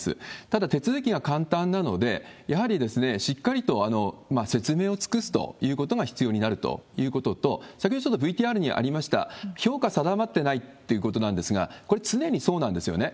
ただ、手続きが簡単なので、やはりしっかりと説明を尽くすということが必要になるということと、先ほどちょっとＶＴＲにありました、評価定まってないってことなんですが、これ、常にそうなんですよね。